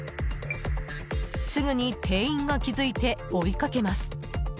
すぐに店員が気づいて追いかけます。